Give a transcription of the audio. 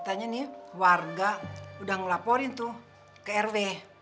katanya nih warga udah ngelaporin tuh ke rw